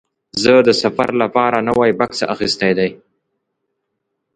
زه د سفر لپاره نوی بکس اخیستی دی.